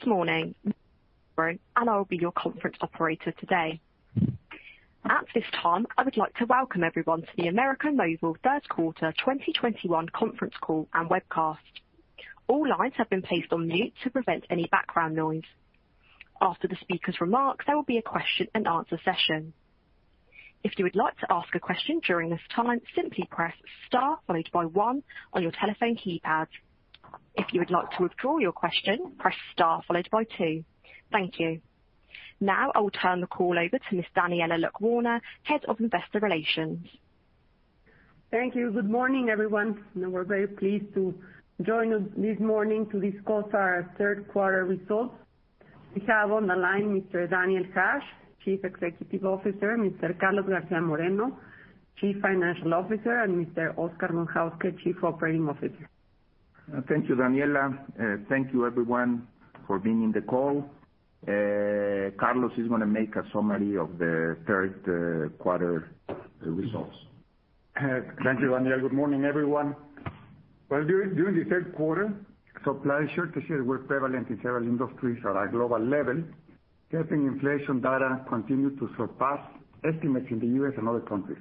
Good morning. My name is Lauren, and I'll be your conference operator today. At this time, I would like to welcome everyone to the América Móvil Third Quarter 2021 conference call and webcast. All lines have been placed on mute to prevent any background noise. After the speaker's remarks, there will be a question and answer session. If you would like to ask a question during this time, simply press Star followed by one on your telephone keypad. If you would like to withdraw your question, press Star followed by two. Thank you. Now I will turn the call over to Ms. Daniela Lecuona, Head of Investor Relations. Thank you. Good morning, everyone. We're very pleased to join you this morning to discuss our third quarter results. We have on the line Mr. Daniel Hajj, Chief Executive Officer, Mr. Carlos García Moreno, Chief Financial Officer, and Mr. Óscar Von Hauske, Chief Operating Officer. Thank you, Daniela. Thank you, everyone for being on the call. Carlos is going to make a summary of the third quarter results. Thank you, Daniela. Good morning, everyone. Well, during the third quarter, supply shortages were prevalent in several industries at a global level. Inflation data continued to surpass estimates in the U.S. and other countries.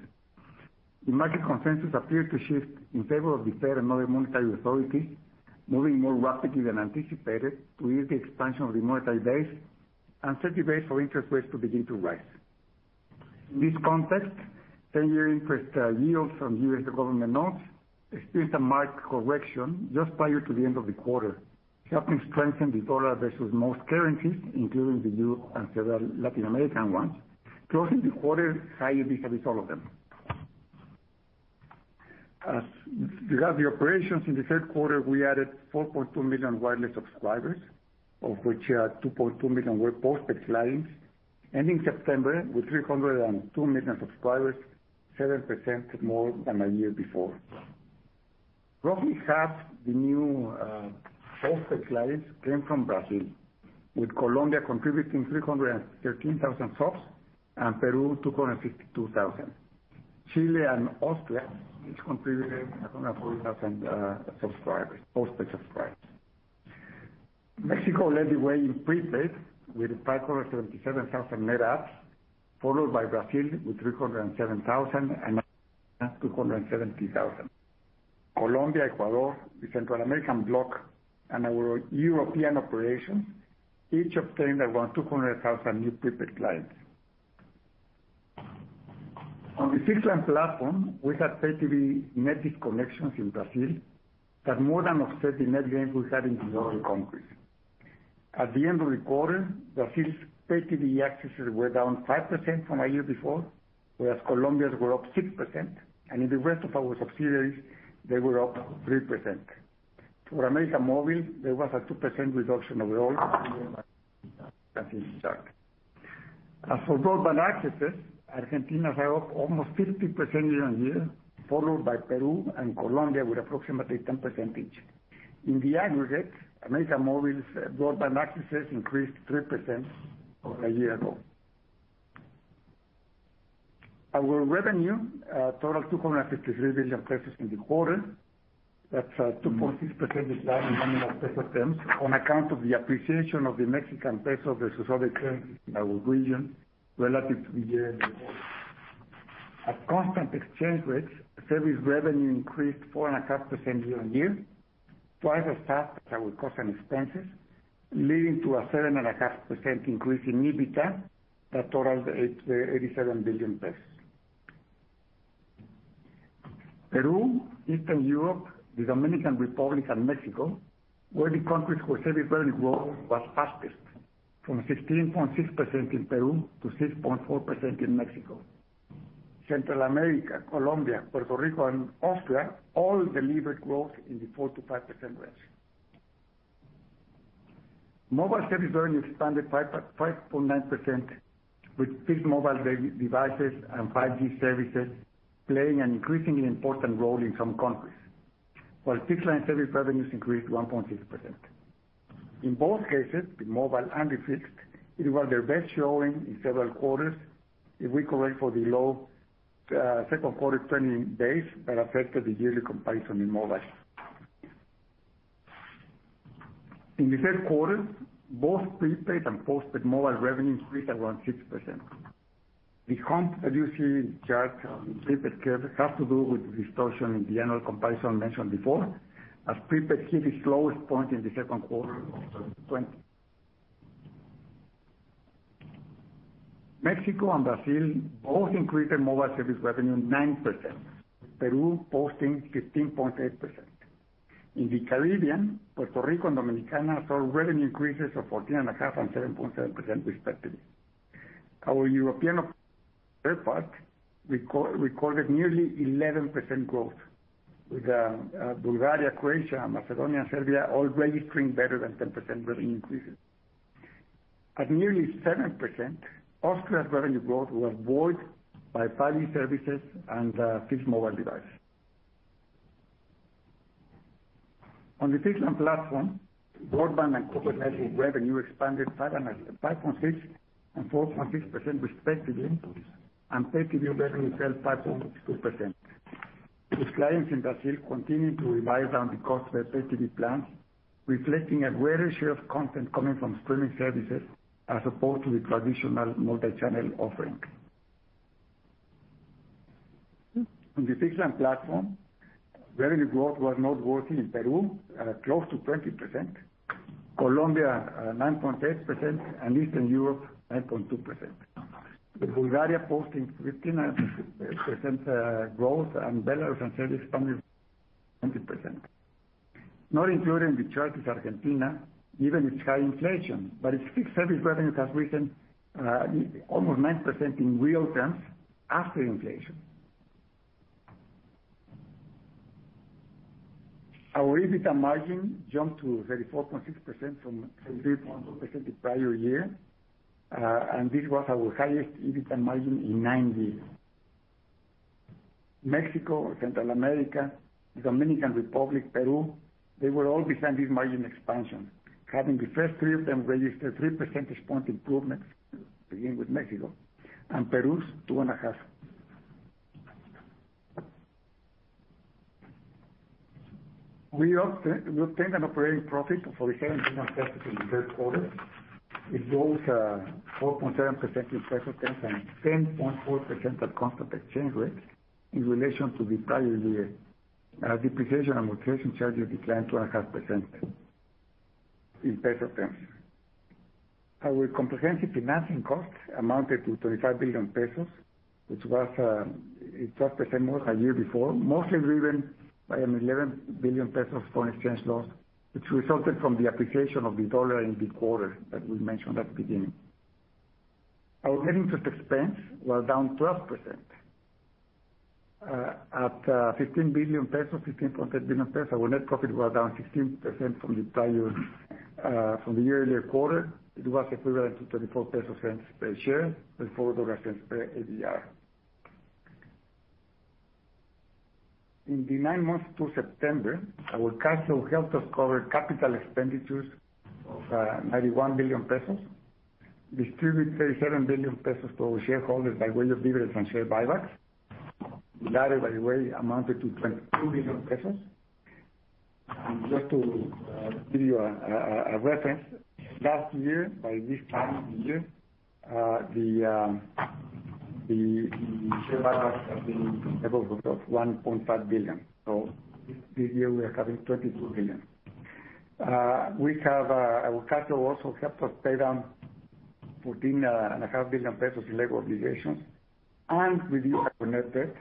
The market consensus appeared to shift in favor of the Fed and other monetary authorities moving more rapidly than anticipated to ease the expansion of the monetary base and set the base for interest rates to begin to rise. In this context, 10-year interest yields from U.S. government notes experienced a marked correction just prior to the end of the quarter, helping strengthen the dollar versus most currencies, including the euro and several Latin American ones, closing the quarter higher because of all of them. As regards the operations in the third quarter, we added 4.2 million wireless subscribers, of which 2.2 million were post-paid clients, ending September with 302 million subscribers, 7% more than a year before. Roughly half the new, post-paid clients came from Brazil, with Colombia contributing 313,000 subs, and Peru 252,000. Chile and Austria each contributed 100,000 post-paid subscribers. Mexico led the way in prepaid with 577,000 net adds, followed by Brazil with 307,000 and Argentina 270,000. Colombia, Ecuador, the Central American block, and our European operations each obtained around 200,000 new prepaid clients. On the fixed line platform, we had Pay-TV net disconnections in Brazil that more than offset the net gains we had in the other countries. At the end of the quarter, Brazil's Pay-TV accesses were down 5% from a year before, whereas Colombia's were up 6%, and in the rest of our subsidiaries, they were up 3%. For América Móvil, there was a 2% reduction overall in Pay-TV subs. As for broadband accesses, Argentina was up almost 50% year-on-year, followed by Peru and Colombia with approximately 10% each. In the aggregate, América Móvil's broadband accesses increased 3% from a year ago. Our revenue totaled 253 billion pesos in the quarter. That's a 2.6% decline in nominal peso terms on account of the appreciation of the Mexican peso versus other currencies in our region relative to the year before. At constant exchange rates, service revenue increased 4.5% year-on-year, twice as fast as our costs and expenses, leading to a 7.5% increase in EBITDA that totals MXN 87 billion. Peru, Eastern Europe, the Dominican Republic, and Mexico were the countries where service revenue growth was fastest, from 16.6% in Peru to 6.4% in Mexico. Central America, Colombia, Puerto Rico, and Austria all delivered growth in the 4%-5% range. Mobile service revenue expanded 5.9%, with fixed mobile devices and 5G services playing an increasingly important role in some countries. While fixed line service revenues increased 1.6%. In both cases, in mobile and in fixed, it was their best showing in several quarters if we correct for the low second quarter trending days that affected the yearly comparison in mobile. In the third quarter, both prepaid and postpaid mobile revenue increased around 6%. The hump that you see in the chart on the prepaid curve has to do with the distortion in the annual comparison mentioned before, as prepaid hit its lowest point in the second quarter of 2020. Mexico and Brazil both increased their mobile service revenue 9%, Peru posting 15.8%. In the Caribbean, Puerto Rico and Dominicana saw revenue increases of 14.5% and 7.7% respectively. Our European operations, for their part, recorded nearly 11% growth, with Bulgaria, Croatia, Macedonia, and Serbia all registering better than 10% revenue increases. At nearly 7%, Austria's revenue growth was buoyed by 5G services and fixed mobile devices. On the fixed line platform, Broadband and corporate revenue expanded 5.6% and 4.6% respectively, and Pay-TV revenue fell 5.2%. With clients in Brazil continuing to revise down the cost of their pay-TV plans, reflecting a greater share of content coming from streaming services as opposed to the traditional multi-channel offering. On the fixed line platform, revenue growth was noteworthy in Peru, close to 20%, Colombia 9.8%, and Eastern Europe 9.2%, with Bulgaria posting 15% growth and Belarus and Serbia strongly, 20%. Not including the challenges Argentina, even its high inflation, its fixed service revenue has risen almost 9% in real terms after inflation. Our EBITDA margin jumped to 34.6% from 31% the prior year. This was our highest EBITDA margin in nine years. Mexico, Central America, the Dominican Republic, Peru, they were all behind this margin expansion, having the first three of them register a three percentage point improvement, beginning with Mexico, and Peru's 2.5. We obtained an operating profit of MXN 47 billion in the third quarter. It rose 4.7% in peso terms and 10.4% at constant exchange rates in relation to the prior year. Depreciation and amortization charges declined 2.5% in peso terms. Our comprehensive financing cost amounted to 35 billion pesos, which was 12% more a year before, mostly driven by an 11 billion pesos foreign exchange loss, which resulted from the appreciation of the dollar in the quarter, as we mentioned at the beginning. Our net interest expense was down 12%, at 15 billion pesos, 15.3 billion pesos. Our net profit was down 16% from the year earlier quarter. It was equivalent to 0.24 pesos per share and $0.04 per ADR. In the nine months to September, our cash flow helped us cover capital expenditures of 91 billion pesos, distribute 37 billion pesos to our shareholders by way of dividends and share buybacks. The latter, by the way, amounted to 22 billion pesos. Just to give you a reference, last year by this time of the year, the share buybacks had been at 1.5 billion. This year we are having 22 billion. Our cash flow also helped us pay down MXN 14.5 billion in debt obligations and reduce our net debt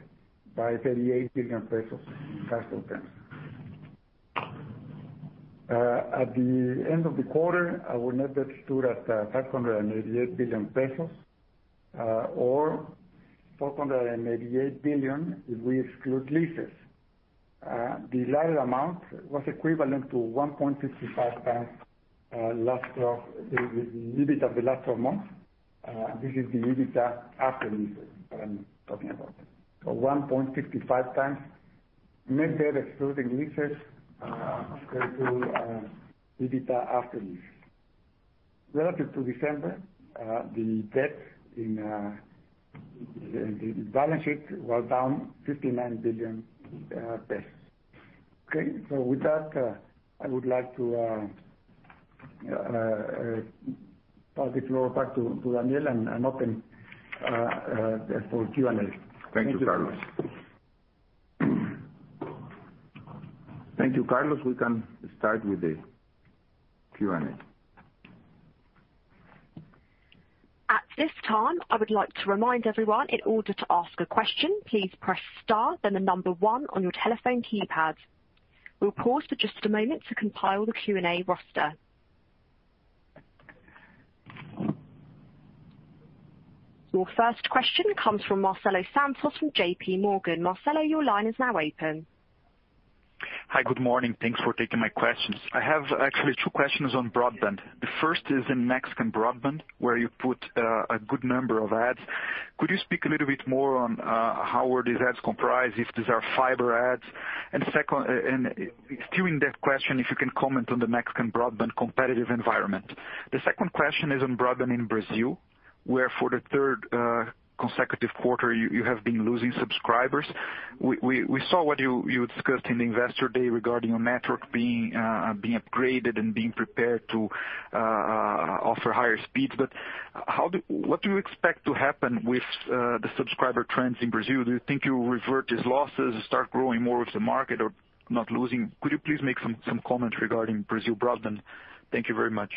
by 38 billion pesos in cash flow terms. At the end of the quarter, our net debt stood at 588 billion pesos, or 488 billion if we exclude leases. The latter amount was equivalent to 1.55x the EBITDA of the last 12 months. This is the EBITDA after leases that I'm talking about. 1.55x net debt excluding leases to EBITDA after leases. Relative to December, the debt in the balance sheet was down 59 billion pesos. Okay. With that, I would like to pass the floor back to Daniel and open for Q&A. Thank you, Carlos. Thank you, Carlos. We can start with the Q&A. At this time, I would like to remind everyone, in order to ask a question, please press star then the number one on your telephone keypad. We'll pause for just a moment to compile the Q&A roster. Your first question comes from Marcelo Santos from JPMorgan. Marcelo, your line is now open. Hi. Good morning. Thanks for taking my questions. I have actually two questions on broadband. The first is in Mexican broadband, where you put a good number of adds. Could you speak a little bit more on how are these adds comprised, if these are fiber adds? Second, and skewing that question, if you can comment on the Mexican broadband competitive environment. The second question is on broadband in Brazil, where for the third consecutive quarter, you have been losing subscribers. We saw what you discussed in the Investor Day regarding your network being upgraded and being prepared to offer higher speeds. What do you expect to happen with the subscriber trends in Brazil? Do you think you'll revert these losses, start growing more with the market or not losing? Could you please make some comments regarding Brazil broadband? Thank you very much.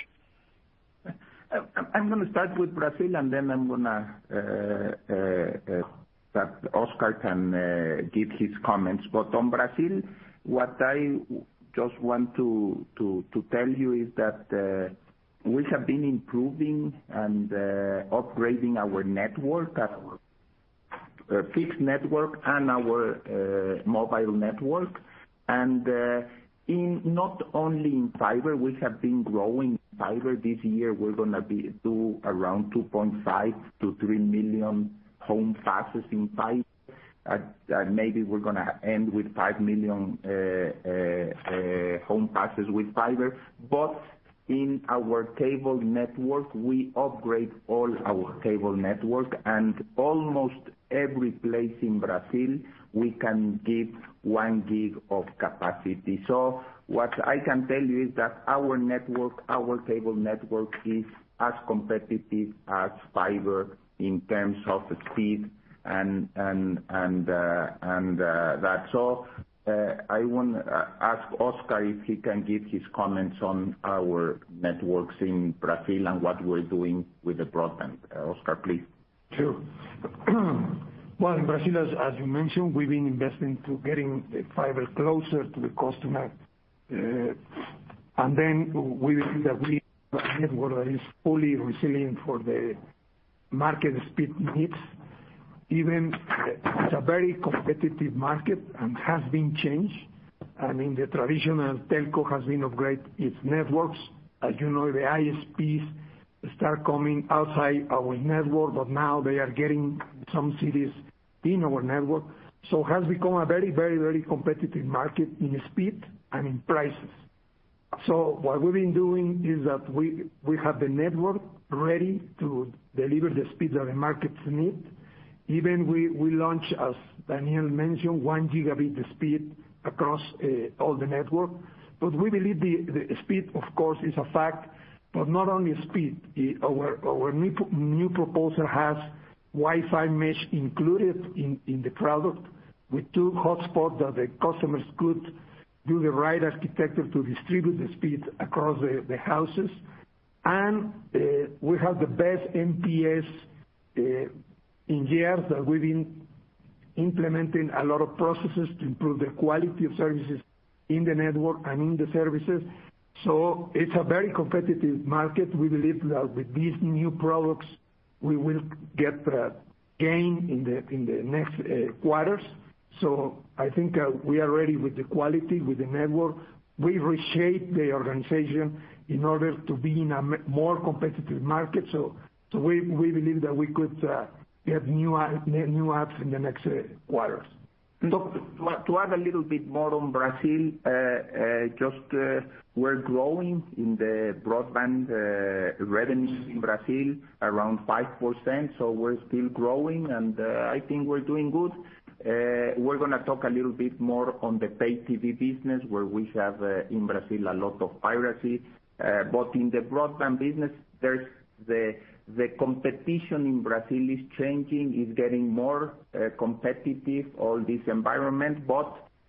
I'm gonna start with Brazil, and then I'm gonna let Óscar give his comments. On Brazil, what I just want to tell you is that we have been improving and upgrading our network, our fixed network, and our mobile network. Not only in fiber, we have been growing fiber this year. We're gonna do around 2.5 million-3 million home passes in fiber. Maybe we're going to end with 5 million home passes with fiber. In our cable network, we upgrade all our cable network and almost every place in Brazil, we can give 1 GB of capacity. What I can tell you is that our network, our cable network, is as competitive as fiber in terms of speed and that's all. I want to ask Óscar if he can give his comments on our networks in Brazil and what we're doing with the broadband. Óscar, please. Sure. Well, in Brazil, as you mentioned, we've been investing to getting fiber closer to the customer. We believe that we have a network that is fully resilient for the market speed needs. It's a very competitive market and has been changed. I mean, the traditional telco has been upgrade its networks. As you know, the ISPs start coming outside our network, but now they are getting some cities in our network. It has become a very competitive market in speed and in prices. What we've been doing is that we have the network ready to deliver the speed that the markets need. We launch, as Daniel mentioned, 1 Gb speed across all the network. We believe the speed, of course, is a fact, but not only speed. Our new proposal has Wi-Fi mesh included in the product with two hotspots that the customers could do the right architecture to distribute the speed across the houses. We have the best NPS in years that we've been implementing a lot of processes to improve the quality of services in the network and in the services. It's a very competitive market. We believe that with these new products, we will get the gain in the next quarters. I think we are ready with the quality, with the network. We reshape the organization in order to be in a more competitive market. We believe that we could get new apps in the next quarters. To add a little bit more on Brazil, just we're growing in the broadband revenues in Brazil around 5%, so we're still growing, and I think we're doing good. We're going to talk a little bit more on the Pay-TV business, where we have in Brazil, a lot of piracy. In the broadband business, the competition in Brazil is changing. It's getting more competitive, all this environment.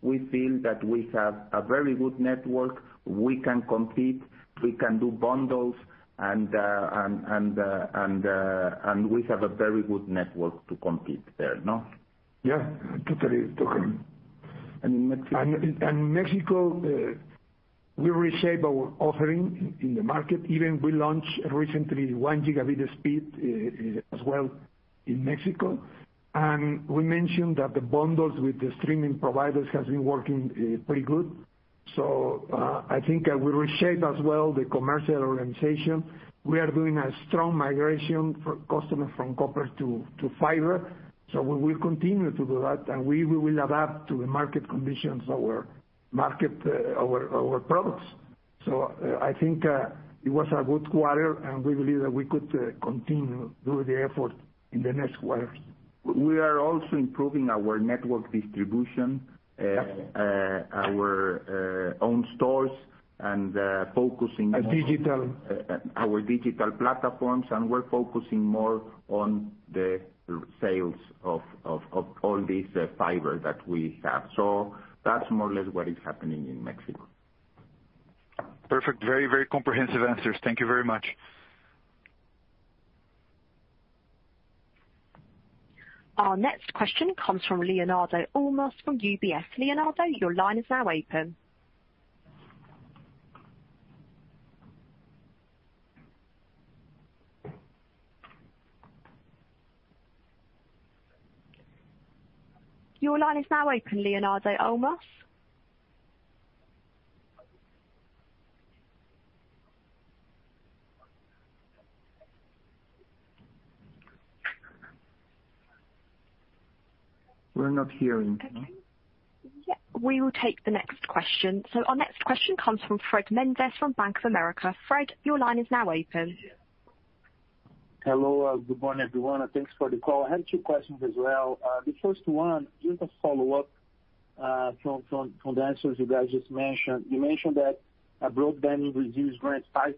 We seen that we have a very good network. We can compete, we can do bundles, and we have a very good network to compete there, no? Yeah. Totally. Mexico, we reshape our offering in the market. Even we launched recently 1 Gb speed as well in Mexico. We mentioned that the bundles with the streaming providers has been working pretty good. I think we reshape as well the commercial organization. We are doing a strong migration for customer from copper to fiber. We will continue to do that, and we will adapt to the market conditions, our market, our products. I think it was a good quarter, and we believe that we could continue do the effort in the next quarters. We are also improving our network distribution, our own stores, and focusing- On digital. Our digital platforms, and we're focusing more on the sales of all these fiber that we have. That's more or less what is happening in Mexico. Perfect. Very comprehensive answers. Thank you very much. Our next question comes from Leonardo Olmos from UBS. Leonardo, your line is now open. Your line is now open, Leonardo Olmos. We're not hearing. Yeah, we will take the next question. Our next question comes from Fred Mendes from Bank of America. Fred, your line is now open. Hello. Good morning, everyone, and thanks for the call. I had two questions as well. Just a follow-up from the answers you guys just mentioned. You mentioned that broadband revenues grew 5%. I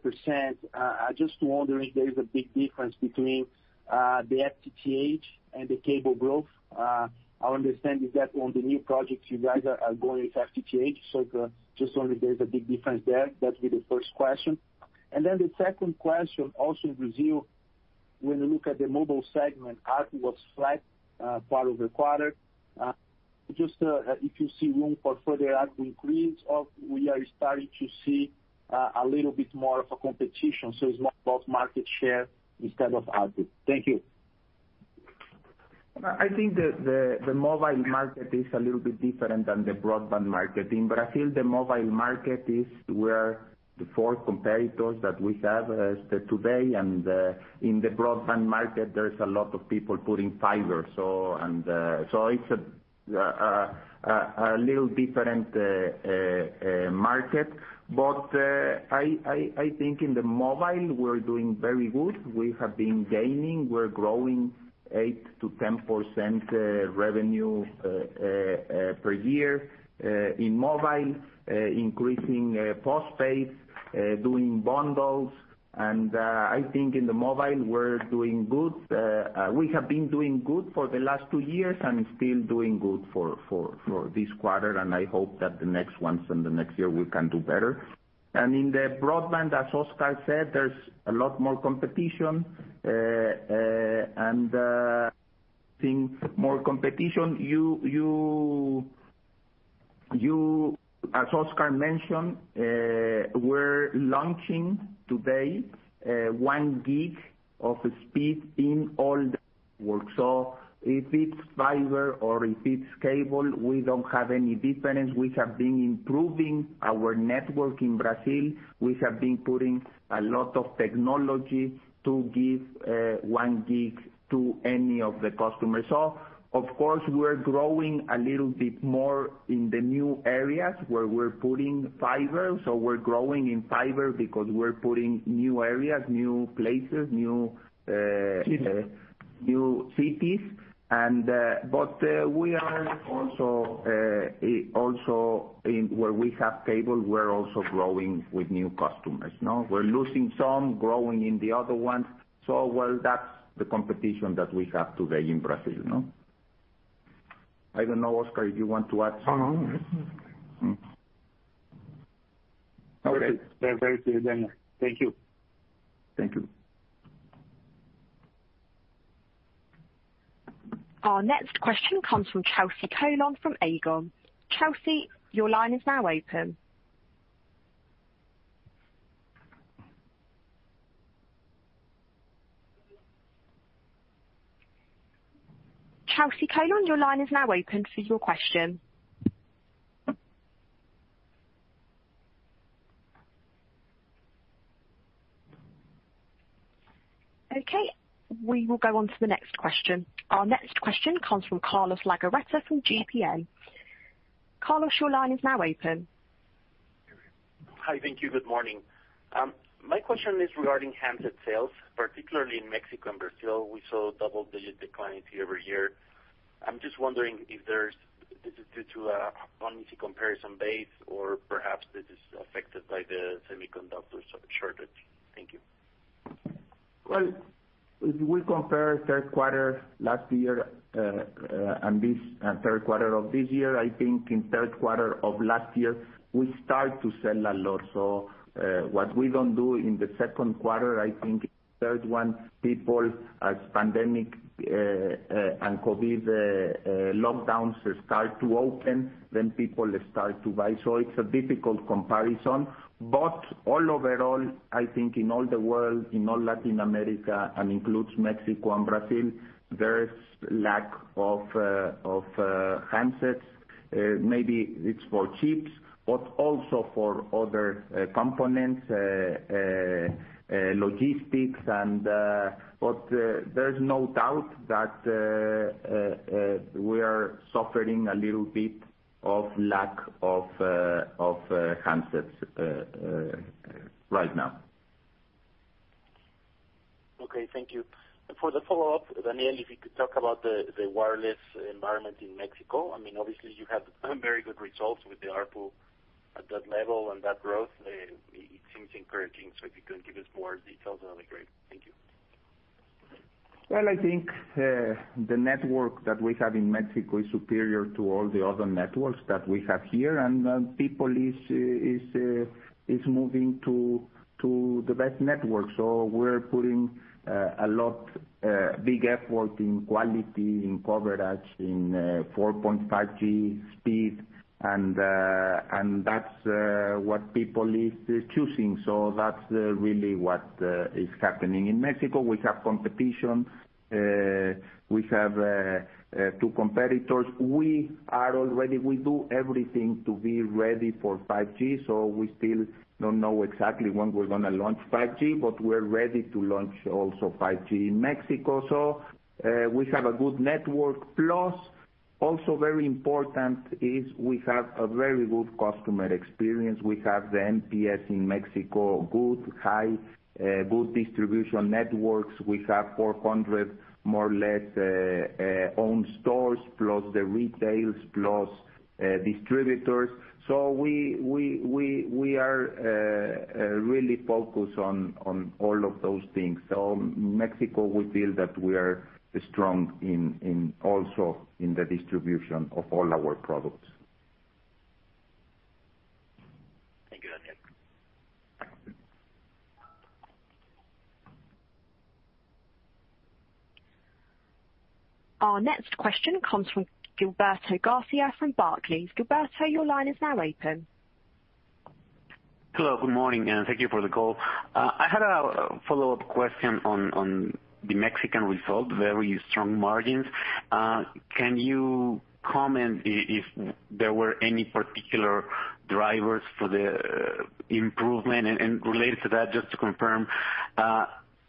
was just wondering if there is a big difference between the FTTH and the cable growth. Our understanding is that on the new projects, you guys are going with FTTH, so I just wonder if there's a big difference there. That'd be the first question. The second question also in Brazil, when you look at the mobile segment, ARPU was flat for the quarter. If you see room for further ARPU increase, or are we starting to see a little bit more of a competition, so it's more about market share instead of ARPU? Thank you. I think the mobile market is a little bit different than the broadband market. In Brazil, the mobile market is where the four competitors that we have today, and in the broadband market, there's a lot of people putting fiber. It's a little different market. I think in mobile, we're doing very well. We have been gaining. We're growing 8%-10% revenue per year in mobile, increasing postpaid, doing bundles, and I think in mobile, we're doing good. We have been doing good for the last two years and are still doing good for this quarter, and I hope that the next ones and the next year, we can do better. In the broadband, as Óscar said, there's a lot more competition. As Óscar mentioned, we're launching today 1 Gb of speed in all the work. If it's fiber or if it's cable, we don't have any difference. We have been improving our network in Brazil. We have been putting a lot of technology to give 1 Gb to any of the customers. Of course, we're growing a little bit more in the new areas where we're putting fiber. We're growing in fiber because we're putting new areas, new places, new. Cities. New cities. Where we have cable, we're also growing with new customers. We're losing some, growing in the other ones. Well, that's. Competition that we have today in Brazil. I don't know, Óscar, if you want to add. No. Okay. Very clear, Daniel. Thank you. Thank you. Our next question comes from Chelsea Konsko from Aegon. Chelsea, your line is now open. Chelsea Konsko, your line is now open for your question. Okay, we will go on to the next question. Our next question comes from Carlos Legarreta from GBM. Carlos, your line is now open. Hi. Thank you. Good morning. My question is regarding handset sales, particularly in Mexico and Brazil. We saw double-digit decline year-over-year. I'm just wondering if this is due to an easy comparison base, or perhaps this is affected by the semiconductor shortage. Thank you. If we compare third quarte last year, and third quarter of this year, I think in third quarter of last year, we started to sell a lot. What we don't do in the second quarter, I think third one, people as pandemic and COVID lockdowns start to open, then people start to buy. It's a difficult comparison. All overall, I think in all the world, in all Latin America, and includes Mexico and Brazil, there is lack of handsets. Maybe it's for chips, but also for other components, logistics. There's no doubt that we are suffering a little bit of lack of handsets right now. Okay. Thank you. For the follow-up, Daniel, if you could talk about the wireless environment in Mexico. Obviously you have very good results with the ARPU at that level and that growth, it seems encouraging. If you could give us more details, that'll be great. Thank you. Well, I think the network that we have in Mexico is superior to all the other networks that we have here, and people is moving to the best network. We're putting a lot big effort in quality, in coverage, in 4.5G speed, and that's what people is choosing. That's really what is happening in Mexico. We have competition. We have two competitors. We do everything to be ready for 5G. We still don't know exactly when we're going to launch 5G, but we're ready to launch also 5G in Mexico. We have a good network, plus also very important is we have a very good customer experience. We have the NPS in Mexico, good, high, good distribution networks. We have 400, more or less, owned stores plus the retails, plus distributors. We are really focused on all of those things. Mexico, we feel that we are strong also in the distribution of all our products. Thank you, Daniel. Our next question comes from Gilberto García from Barclays. Gilberto, your line is now open. Hello. Good morning, and thank you for the call. I had a follow-up question on the Mexican result, very strong margins. Can you comment if there were any particular drivers for the improvement? Related to that, just to confirm,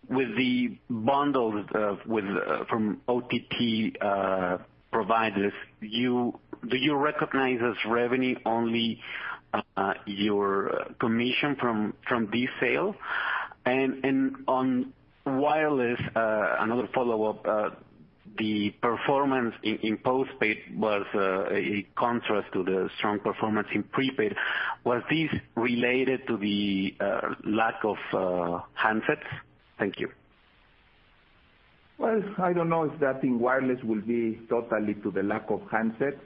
with the bundles from OTT providers, do you recognize as revenue only your commission from this sale? On wireless, another follow-up, the performance in postpaid was a contrast to the strong performance in prepaid. Was this related to the lack of handsets? Thank you. I don't know if that in wireless will be totally to the lack of handsets.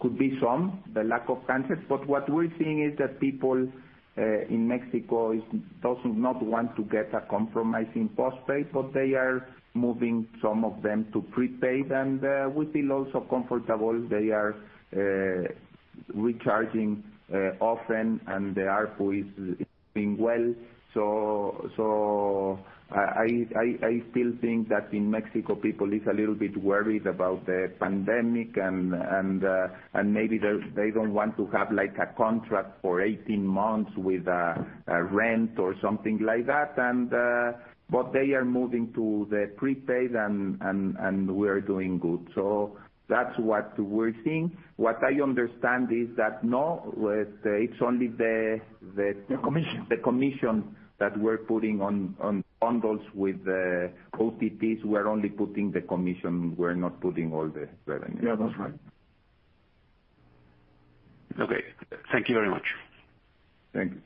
Could be some, the lack of handsets. What we're seeing is that people in Mexico does not want to get a compromise in postpaid, but they are moving some of them to prepaid. We feel also comfortable they are recharging often, and the ARPU is doing well. I still think that in Mexico, people is a little bit worried about the pandemic and maybe they don't want to have a contract for 18 months with a rent or something like that. They are moving to the prepaid, and we're doing good. That's what we're seeing. What I understand is that, the. The commission. The commission that we're putting on bundles with the OTTs. We're only putting the commission. We're not putting all the revenue. Yeah, that's right. Okay. Thank you very much. Thank you.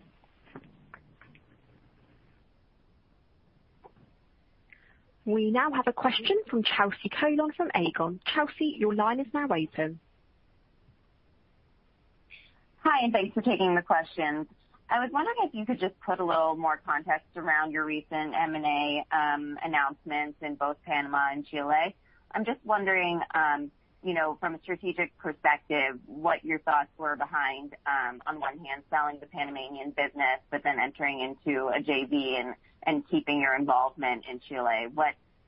We now have a question from Chelsea Konsko from Aegon. Chelsea, your line is now open. Hi, and thanks for taking the questions. I was wondering if you could just put a little more context around your recent M&A announcements in both Panama and Chile. I'm just wondering, from a strategic perspective, what your thoughts were behind, on one hand, selling the Panamanian business, but then entering into a JV and keeping your involvement in Chile.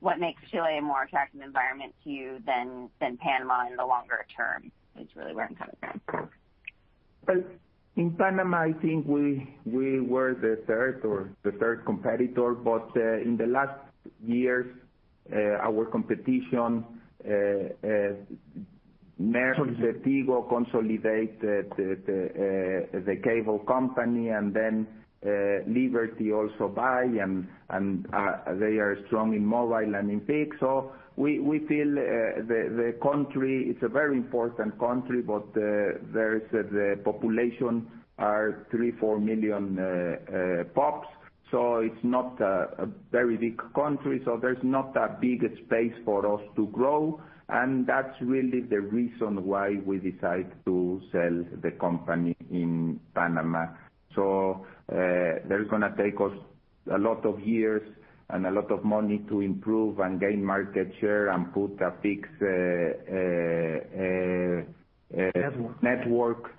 What makes Chile a more attractive environment to you than Panama in the longer term, is really where I'm coming from. In Panama, I think we were the third competitor. In the last years, our competition, Millicom, the Tigo consolidate the cable company, Liberty also buy, they are strong in mobile and in fixed. We feel the country, it's a very important country, there is the population are 3 million, 4 million POPs. It's not a very big country. There's not a big space for us to grow. That's really the reason why we decide to sell the company in Panama. That is going to take us a lot of years and a lot of money to improve and gain market share and put a fixed. Network. Network.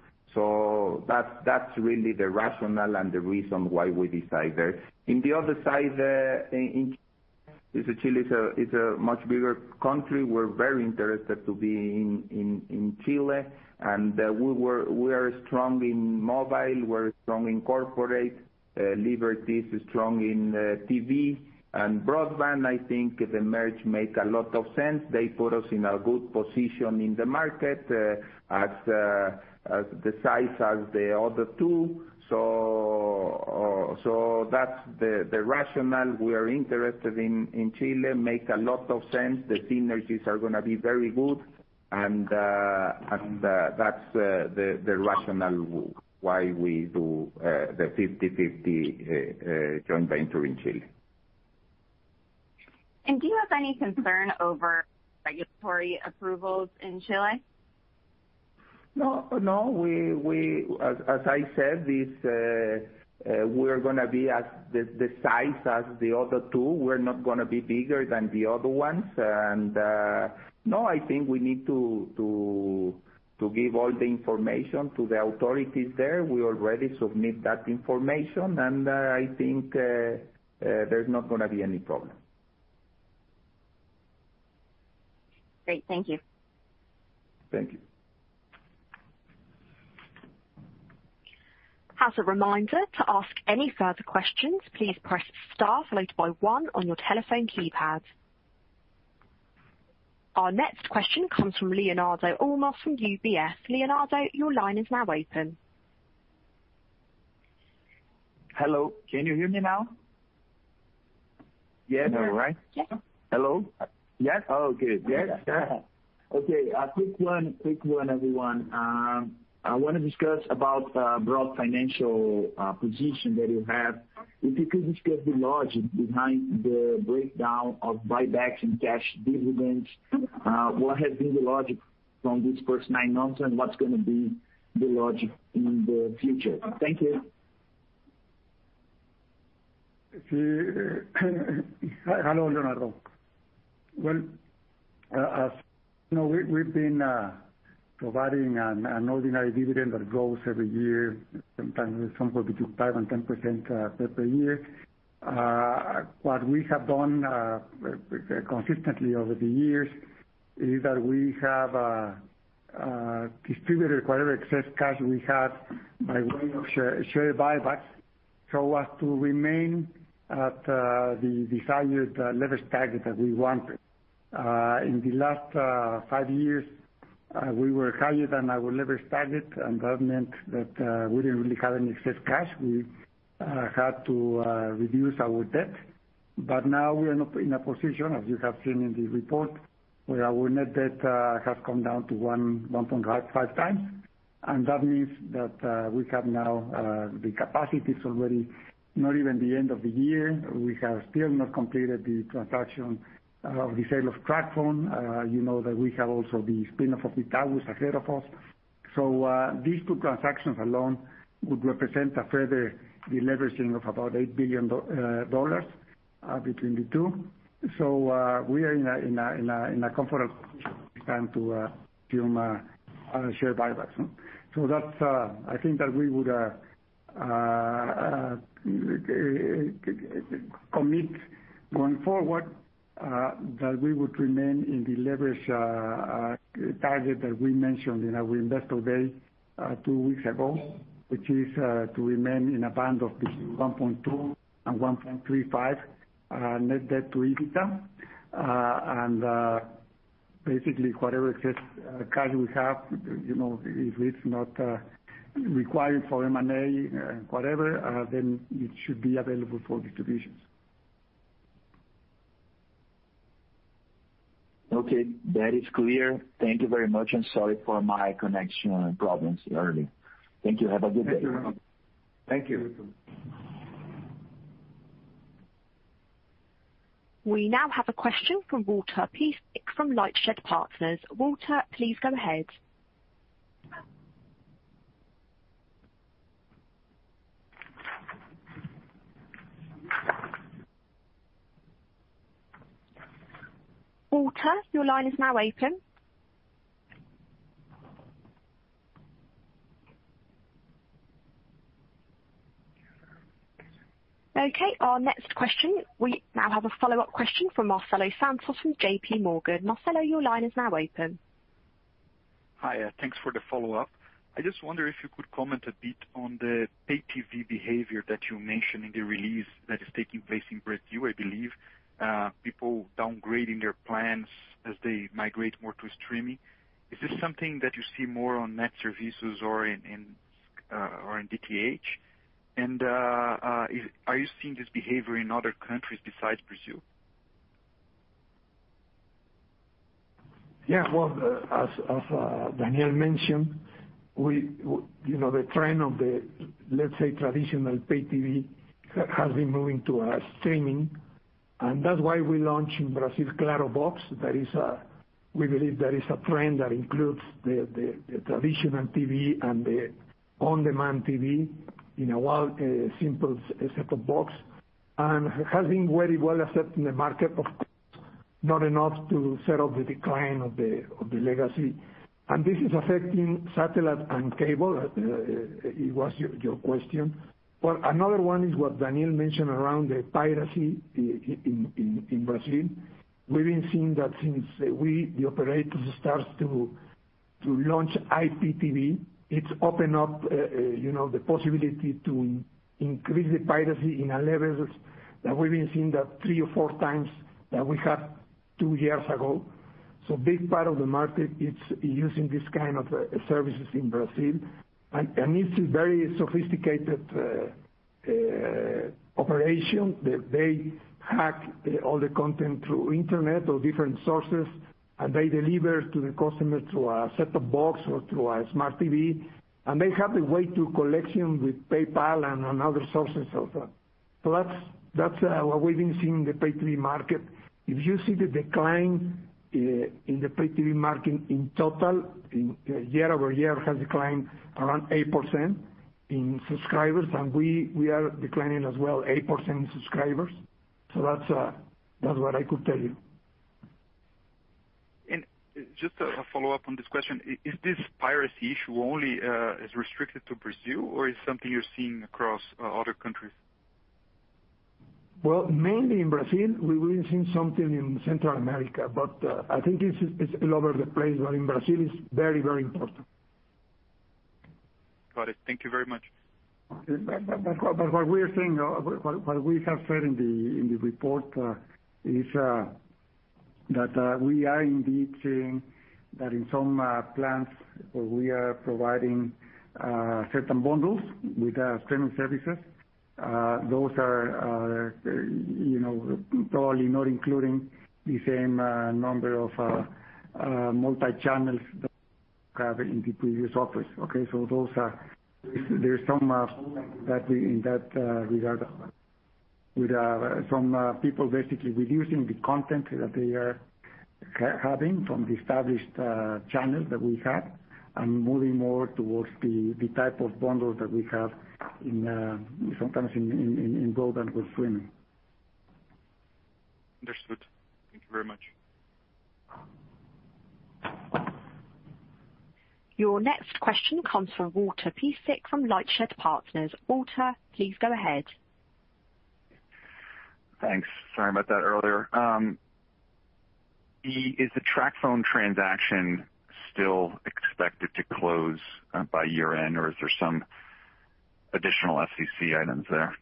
That's really the rationale and the reason why we decide there. In the other side, Chile is a much bigger country. We're very interested to be in Chile, and we are strong in mobile, we're strong in corporate. Liberty is strong in TV and broadband. I think the merge make a lot of sense. They put us in a good position in the market as the size as the other two. That's the rationale we are interested in Chile. Make a lot of sense. The synergies are gonna be very good, and that's the rationale why we do the 50/50 joint venture in Chile. Do you have any concern over regulatory approvals in Chile? No. As I said, we're gonna be as the size as the other two. We're not gonna be bigger than the other ones. No, I think we need to give all the information to the authorities there. We already submit that information. I think there's not gonna be any problem. Great. Thank you. Thank you. As a reminder, to ask any further questions, please press star followed by one on your telephone keypad. Our next question comes from Leonardo Olmos from UBS. Leonardo, your line is now open. Hello, can you hear me now? Yes. Right. Yes. Hello? Yes. Oh, good. Yes. Yeah. Okay. A quick one, everyone. I want to discuss about broad financial position that you have. If you could discuss the logic behind the breakdown of buybacks and cash dividends, what has been the logic from this first nine months, and what's gonna be the logic in the future? Thank you. Hello, Leonardo. As you know, we've been providing an ordinary dividend that grows every year, sometimes somewhere between 5% and 10% per year. What we have done consistently over the years is that we have distributed whatever excess cash we have by way of share buybacks, so as to remain at the desired leverage target that we want. In the last five years, we were higher than our leverage target, and that meant that we didn't really have any excess cash. We had to reduce our debt. Now we are in a position, as you have seen in the report, where our net debt has come down to 1.5x. That means that we have now the capacities already, not even the end of the year, we have still not completed the transaction of the sale of TracFone. You know that we have also the spin-off of tower ahead of us. These two transactions alone would represent a further deleveraging of about $8 billion between the two. We are in a comfortable position to assume share buybacks. I think that we would commit going forward that we would remain in the leverage target that we mentioned in our Investor Day two weeks ago, which is to remain in a band of between 1.2 and 1.35 net debt to EBITDA. Basically, whatever excess cash we have, if it's not required for M&A, whatever, then it should be available for distributions. Okay. That is clear. Thank you very much. Sorry for my connection problems earlier. Thank you. Have a good day. Thank you, Leonardo. Thank you. We now have a question from Walter Piecyk from LightShed Partners. Walter, please go ahead. Okay, our next question. We now have a follow-up question from Marcelo Santos from JPMorgan. Hi. Thanks for the follow-up. I just wonder if you could comment a bit on the Pay-TV behavior that you mentioned in the release that is taking place in Brazil, I believe, people downgrading their plans as they migrate more to streaming. Is this something that you see more on Net Serviços or in DTH? Are you seeing this behavior in other countries besides Brazil? Well, as Daniel mentioned, the trend of the, let's say, traditional Pay-TV has been moving to streaming, that's why we launch in Brazil Claro Box. We believe that is a trend that includes the traditional TV and the on-demand TV in a simple set-top box, has been very well accepted in the market, of course, not enough to set off the decline of the legacy. This is affecting satellite and cable, it was your question. Another one is what Daniel mentioned around the piracy in Brazil. We've been seeing that since the operators start to launch IPTV, it's opened up the possibility to increase the piracy in a level that we've been seeing that three or four times that we had two years ago. Big part of the market is using this kind of services in Brazil, and this is very sophisticated operation that they hack all the content through internet or different sources, and they deliver to the customer through a set-top box or through a Smart TV, and they have the way to collection with PayPal and other sources. That's what we've been seeing in the Pay-TV market. If you see the decline in the Pay-TV market in total, year-over-year has declined around 8% in subscribers, and we are declining as well, 8% in subscribers. That's what I could tell you. Just a follow-up on this question. Is this piracy issue only is restricted to Brazil, or is something you're seeing across other countries? Well, mainly in Brazil. We've been seeing something in Central America, but I think it's all over the place, but in Brazil it's very important. Got it. Thank you very much. What we have said in the report is that we are indeed seeing that in some plans where we are providing certain bundles with our streaming services. Those are probably not including the same number of multi-channels that we have in the previous offers. Okay, there's some movement in that regard with some people basically reducing the content that they are having from the established channels that we have and moving more towards the type of bundles that we have sometimes in broadband with streaming. Understood. Thank you very much. Your next question comes from Walter Piecyk from LightShed Partners. Walter, please go ahead. Thanks. Sorry about that earlier. Is the TracFone transaction still expected to close by year-end or are there some additional FCC items there?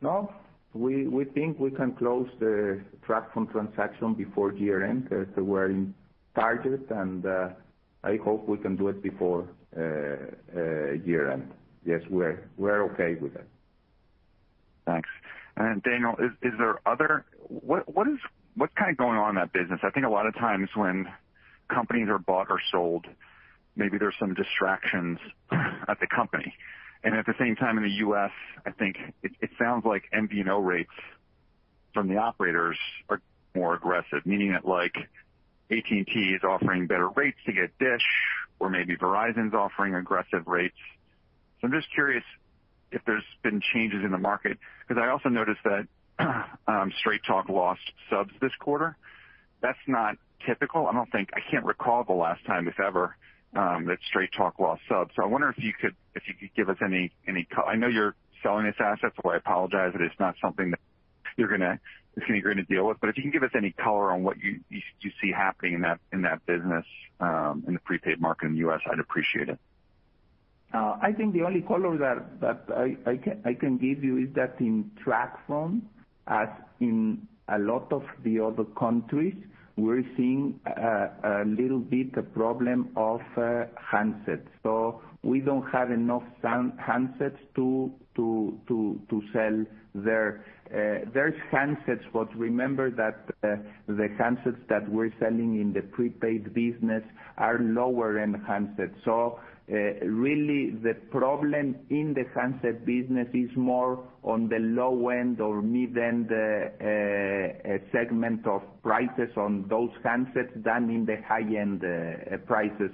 No. We think we can close the TracFone transaction before year-end because we're in target. I hope we can do it before year-end. Yes, we're okay with that. Thanks. Daniel, what's going on in that business? I think a lot of times when companies are bought or sold, maybe there's some distractions at the company. At the same time in the U.S., I think it sounds like MVNO rates from the operators are more aggressive, meaning that AT&T is offering better rates to get Dish or maybe Verizon's offering aggressive rates. I'm just curious if there's been changes in the market, because I also noticed that Straight Talk lost subs this quarter. That's not typical. I can't recall the last time, if ever, that Straight Talk lost subs. I wonder if you could give us any, I know you're selling this asset, so I apologize that it's not something that you're going to deal with. If you can give us any color on what you see happening in that business, in the prepaid market in the U.S., I'd appreciate it. I think the only color that I can give you is that in TracFone, as in a lot of the other countries, we're seeing a little bit a problem of handsets. We don't have enough handsets to sell. There's handsets, remember that the handsets that we're selling in the prepaid business are lower-end handsets. Really the problem in the handset business is more on the low end or mid end segment of prices on those handsets than in the high-end prices.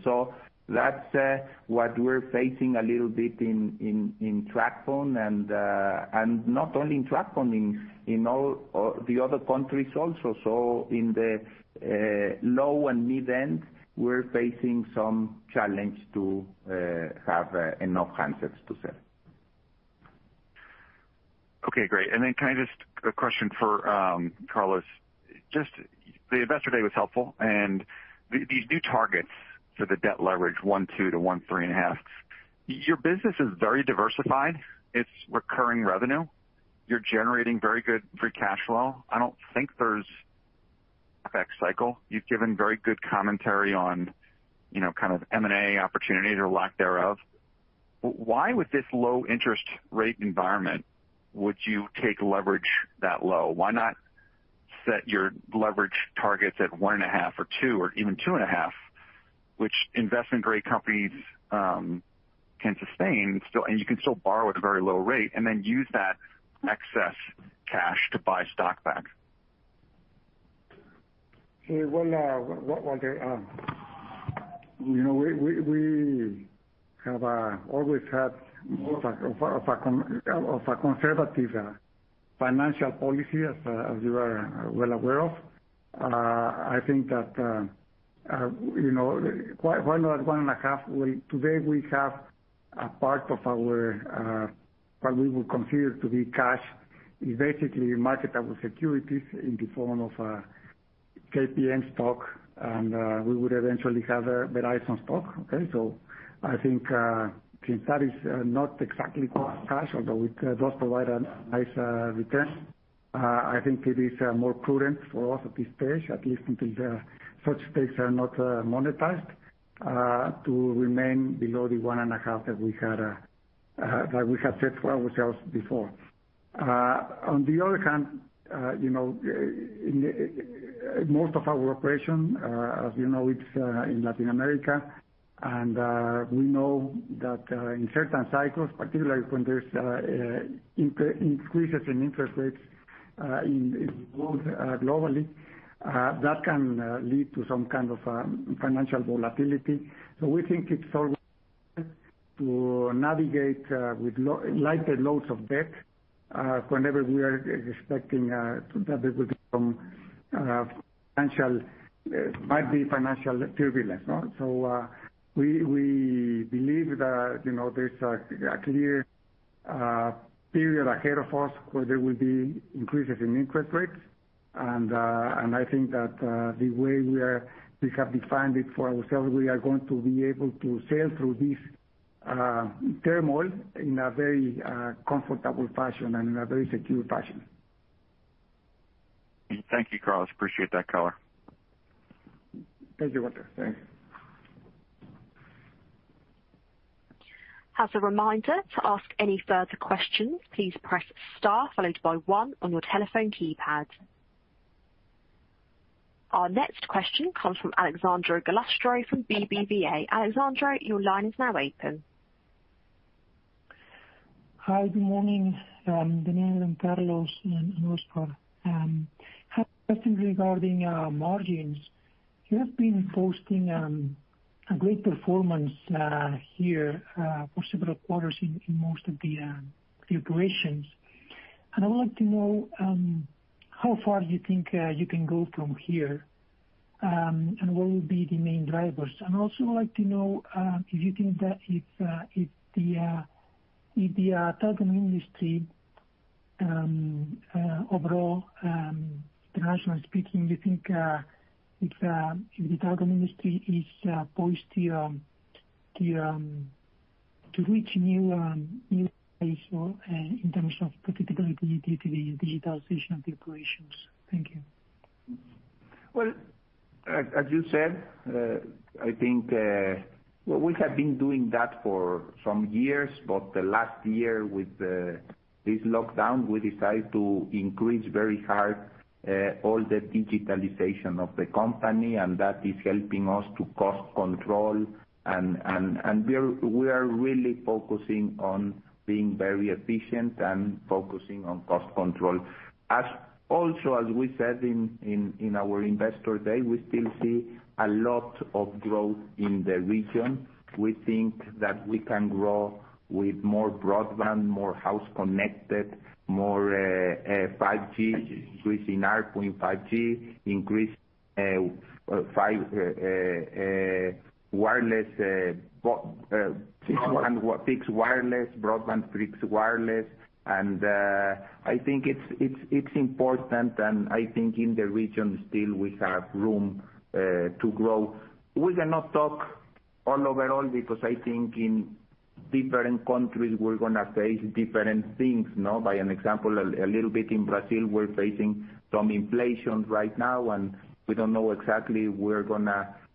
That's what we're facing a little bit in TracFone and not only in TracFone, in all the other countries also. In the low and mid end, we're facing some challenge to have enough handsets to sell. Okay, great. Can I ask a question for Carlos. The Investor Day was helpful and these new targets for the debt leverage, 1.2-1.35. Your business is very diversified. It's recurring revenue. You're generating very good free cash flow. I don't think there's CapEx cycle. You've given very good commentary on kind of M&A opportunities or lack thereof. Why with this low interest rate environment would you take leverage that low? Why not set your leverage targets at 1.5 or two or even 2.5, which investment grade companies can sustain, and you can still borrow at a very low rate and then use that excess cash to buy stock back? Well, Walter, we have always had more of a conservative financial policy, as you are well aware of. I think that why not one and a half? Well, today we have a part of our what we would consider to be cash is basically marketable securities in the form of KPN stock, and we would eventually have Verizon stock. Okay. I think since that is not exactly cash, although it does provide a nice return, I think it is more prudent for us at this stage, at least until such stakes are not monetized, to remain below the 1.5 That we had set for ourselves before. On the other hand, most of our operation, as you know it's in Latin America, and we know that in certain cycles, particularly when there's increases in interest rates globally, that can lead to some kind of financial volatility. We think it's always to navigate with lighter loads of debt whenever we are expecting that there will be some might be financial turbulence. We believe that there's a clear period ahead of us where there will be increases in interest rates, and I think that the way we have defined it for ourselves, we are going to be able to sail through this turmoil in a very comfortable fashion and in a very secure fashion. Thank you, Carlos. Appreciate that color. Thank you, Walter. Thanks. As a reminder to ask any further questions, please press star followed by one on your telephone keypad. Our next question comes from Alejandro Gallostra from BBVA. Alejandro, your line is now open. Hi, good morning, Daniela and Carlos and Óscar. I have a question regarding margins. You have been posting a great performance here for several quarters in most of the operations. I would like to know how far you think you can go from here, and what will be the main drivers. I'd also like to know if the telecom industry overall, internationally speaking, do you think the telecom industry is poised to reach new heights in terms of profitability due to the digitalization of the operations? Thank you. As you said, we have been doing that for some years, but the last year with this lockdown, we decided to increase very hard all the digitalization of the company, that is helping us to cost control. We are really focusing on being very efficient and focusing on cost control. As we said in our Investor Day, we still see a lot of growth in the region. We think that we can grow with more broadband, more house connected, more 5G, increasing our point 5G, increase fixed wireless, broadband fixed wireless, and I think it's important in the region still we have room to grow. We cannot talk on overall, because I think in different countries, we're going to face different things, no? By an example, a little bit in Brazil, we're facing some inflation right now, and we don't know exactly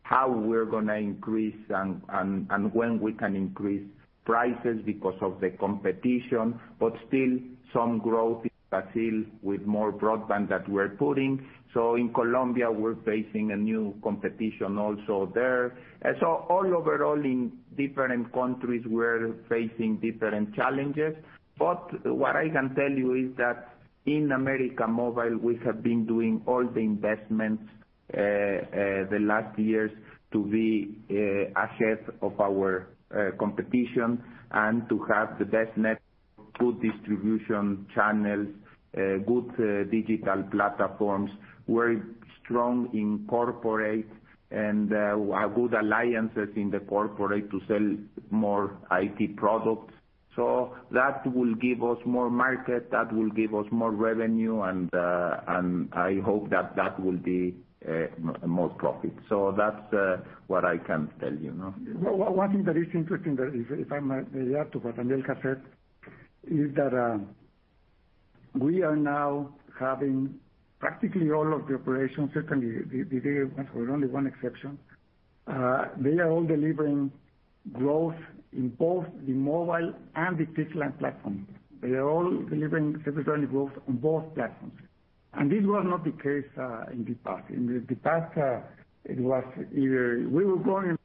how we're going to increase, and when we can increase prices because of the competition. Still, some growth in Brazil with more broadband that we're putting. In Colombia, we're facing a new competition also there. All overall in different countries, we're facing different challenges. What I can tell you is that in América Móvil, we have been doing all the investments the last years to be ahead of our competition and to have the best network, good distribution channels, good digital platforms, very strong in corporate, and good alliances in the corporate to sell more IT products. That will give us more market, that will give us more revenue, and I hope that will be more profit. That's what I can tell you. One thing that is interesting there, if I may add to what Daniel has said, is that we are now having practically all of the operations, certainly with only one exception. They are all delivering growth in both the mobile and the fixed line platform. They are all delivering separately growth on both platforms. This was not the case in the past. In the past, it was either we were growing,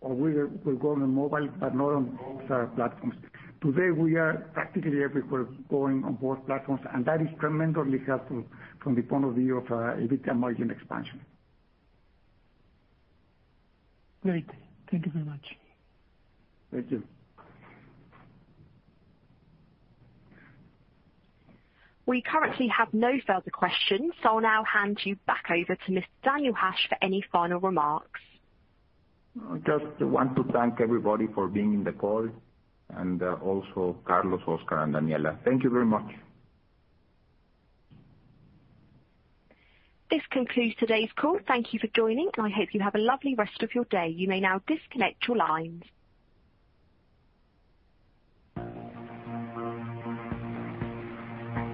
or we were growing on mobile, but not on both platforms. Today, we are practically everywhere growing on both platforms, and that is tremendously helpful from the point of view of EBITDA margin expansion. Great. Thank you very much. Thank you. We currently have no further questions, so I'll now hand you back over to Mr. Daniel Hajj for any final remarks. I just want to thank everybody for being in the call, and also Carlos, Óscar, and Daniela. Thank you very much. This concludes today's call. Thank you for joining, and I hope you have a lovely rest of your day. You may now disconnect your lines.